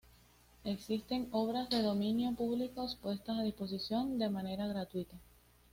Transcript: Existen obras de dominio público puestas a disposición de manera gratuita.